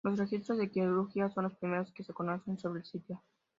Los registros de Quiriguá son los primeros que se conocen sobre el sitio.